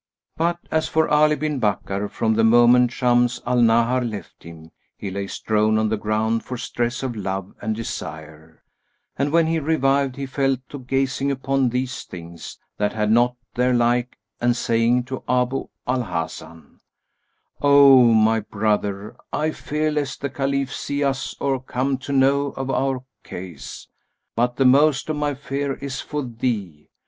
But as for Ali bin Bakkar, from the moment Shams al Nahar left him, he lay strown on the ground for stress of love and desire; and, when he revived, he fell to gazing upon these things that had not their like and saying to Abu al Hasan, "O my brother, I fear lest the Caliph see us or come to know of our case; but the most of my fear is for thee.